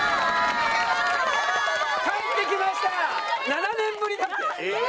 ７年ぶりだって。